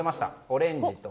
オレンジと。